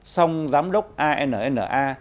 xong giám đốc anna